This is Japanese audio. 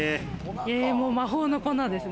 魔法の粉ですね。